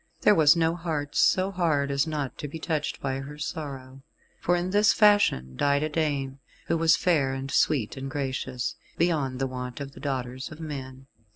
There was no heart so hard as not to be touched by her sorrow; for in this fashion died a dame, who was fair and sweet and gracious, beyond the wont of the daughters of men.